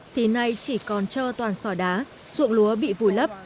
thì nay chỉ còn trơ toàn sỏi đá ruộng lúa bị vùi lấp